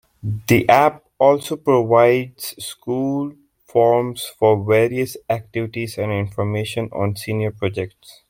The app also provides school forms for various activities and information on senior projects.